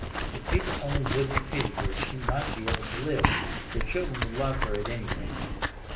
If people only wouldn't pity her she might be able to live; the children would love her at any rate.